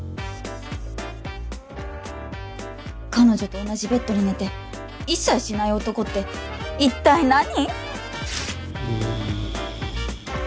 彼女と同じベッドに寝て一切シない男って一体何？